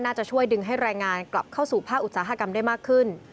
จะช่วยดึงให้แรงงานกลับเข้าสู่ภาคอุตสาหกรรมได้มากขึ้น